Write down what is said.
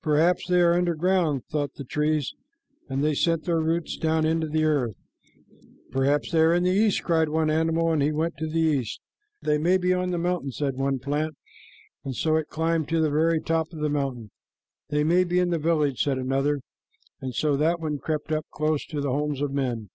"Perhaps they are under ground," thought the trees, and they sent their roots down into the earth. "Perhaps they are in the east," cried one animal, and he went to the east. "They may be on the mountain," said one plant, and so it climbed to the very top of the mountain. "They may be in the village," said another, and so that one crept up close to the homes of men.